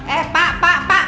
eh pak pak pak